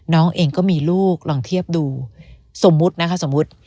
น้องเองก็มีลูกลองเทียบดูสมมุตินะคะสมมุติ